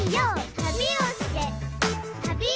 「旅をして旅をして」